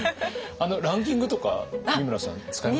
ランキングとか美村さん使います？